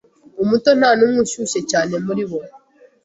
Umuto Ntanumwe Ushyushye cyane muribo